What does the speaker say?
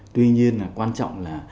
tuy nhiên quan trọng là